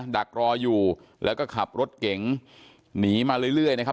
ดักรออยู่แล้วก็ขับรถเก๋งหนีมาเรื่อยนะครับ